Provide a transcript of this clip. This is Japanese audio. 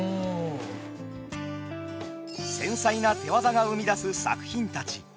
繊細な手業が生み出す作品たち。